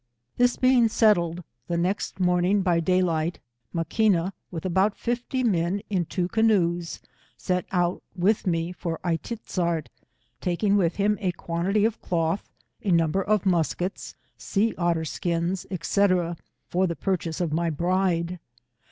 This being settled, the next morning by day light Maquina with about fifty men iu two canoes, set oat with me for A i tiz*zart, taking with him a quantity of cloth, a number of muskets, sea otter 166 skins, &c. for the purchase of my bride.